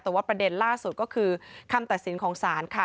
แต่ว่าประเด็นล่าสุดก็คือคำตัดสินของศาลค่ะ